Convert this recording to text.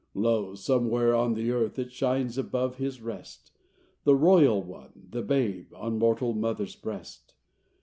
Lo! somewhere on the earth It shines above His rest— The Royal One, the Babe, On mortal mother’s breast.